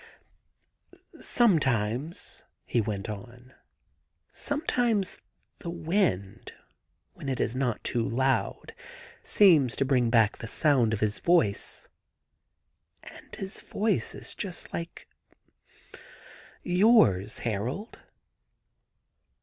* Sometimes,' he went on, 'sometimes the wind, when it is not too loud, seems to bring back the sound of his voice ... and his voice is just like yours, Harold.